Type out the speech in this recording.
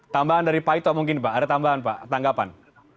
tambahan dari pak ito mungkin pak ada tambahan pak tanggapan